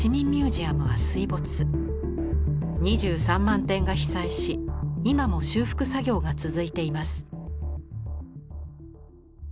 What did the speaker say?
２３万点が被災し今も修復作業が続いています。